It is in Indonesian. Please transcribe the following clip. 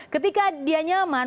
ketika dia nyaman